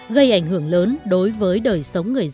gây ảnh hưởng lớn đối với đời sống người dân